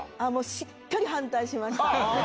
しっかり反対しました。